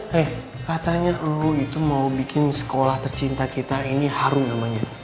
hei katanya lu itu mau bikin sekolah tercinta kita ini harum namanya